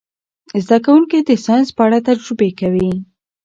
زده کوونکي د ساینس په اړه تجربې کوي.